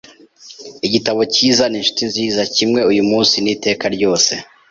Igitabo cyiza ninshuti nziza, kimwe uyumunsi n'iteka ryose.